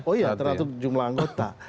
oh iya terhadap jumlah anggota